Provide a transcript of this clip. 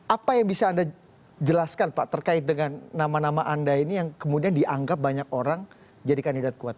apa yang bisa anda jelaskan pak terkait dengan nama nama anda ini yang kemudian dianggap banyak orang jadi kandidat kuat